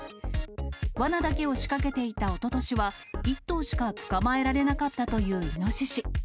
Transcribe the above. わなだけを仕掛けていたおととしは、１頭しか捕まえられなかったというイノシシ。